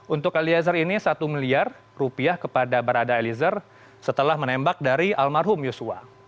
untuk eliezer ini satu miliar rupiah kepada barada eliezer setelah menembak dari almarhum yosua